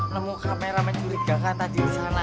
nemu kamera mencurigakan tadi di sana